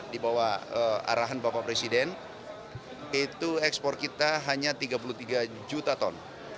di bawah arahan bapak presiden itu ekspor kita hanya tiga puluh tiga juta ton